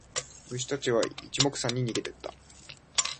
虫たちは一目散に逃げてった。